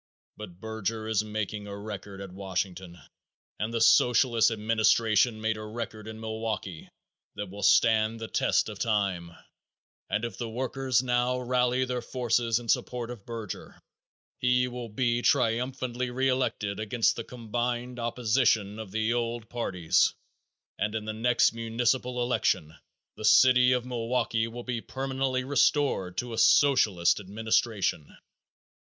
But Berger is making a record at Washington and the Socialist administration made a record in Milwaukee that will stand the test of time, and if the workers now rally their forces in support of Berger, he will be triumphantly re elected against the combined opposition of the old parties, and in the next municipal election the City of Milwaukee will be permanently restored to a Socialist administration.